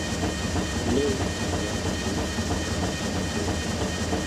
Lê jiyana wê ne tu jiyan bû